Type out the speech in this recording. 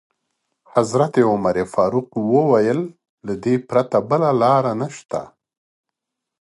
حضرت عمر فاروق وویل: له دې پرته بله لاره نشته.